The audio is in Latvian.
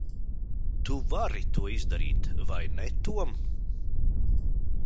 Tu vari to izdarīt vai ne Tom?